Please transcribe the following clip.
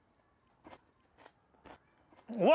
うわ！